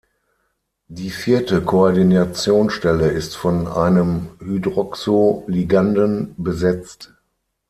Die vierte Koordinationsstelle ist von einem Hydroxo-Liganden besetzt.